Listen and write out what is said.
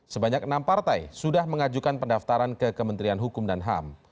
sebanyak enam partai sudah mengajukan pendaftaran ke kementerian hukum dan ham